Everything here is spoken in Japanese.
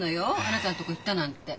あなたんとこ行ったなんて。